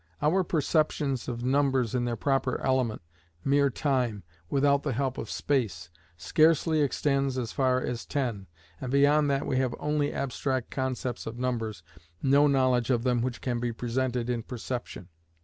Our perceptions of numbers in their proper element, mere time, without the help of space, scarcely extends as far as ten, and beyond that we have only abstract concepts of numbers, no knowledge of them which can be presented in perception.